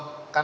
tidak ada ya